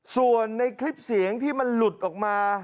ส่วนในคลิปเสียงที่มันหลุดออกมา